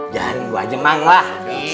jangan diwajem bang wah